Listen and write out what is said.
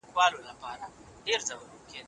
سالم خواړه د بدن د طبیعي توازن ساتنه کوي.